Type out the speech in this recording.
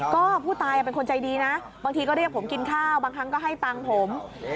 ก็ผู้ตายเป็นคนใจดีนะบางทีก็เรียกผมกินข้าวบางครั้งก็ให้ตังค์ผม